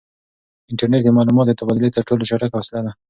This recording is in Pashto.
انټرنیټ د معلوماتو د تبادلې تر ټولو چټکه وسیله ده.